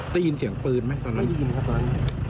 ได้ยินเสียงปืนไหมตอนนั้นได้ยินไหมครับตอนนั้น